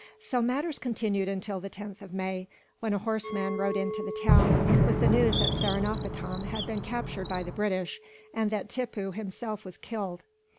So matters continued until the 10th of May, when a horseman rode into the town, with the news that Seringapatam had been captured by the British, and that Tippoo himself was killed.